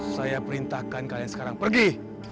saya perintahkan kalian sekarang pergi